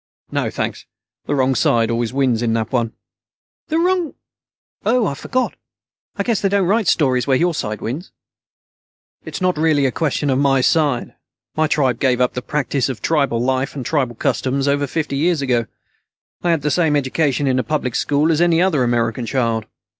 "No, thanks, the wrong side always wins in that one." "The wrong ... oh, I forgot. I guess they don't write stories where your side wins." "It's not really a question of 'my side'. My tribe gave up the practice of tribal life and tribal customs over fifty years ago. I had the same education in a public school as any other American child.